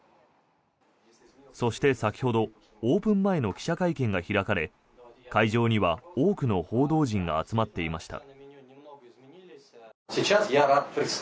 そして先ほどオープン前の記者会見が開かれ会場には多くの報道陣が集まっていました。